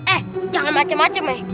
eh jangan macem macem eh